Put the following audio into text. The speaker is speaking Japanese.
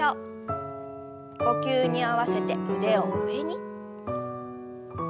呼吸に合わせて腕を上に。